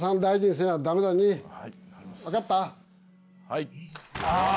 はい。